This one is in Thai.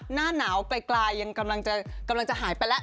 หน้าหนาวไกลยังกำลังจะหายไปแล้ว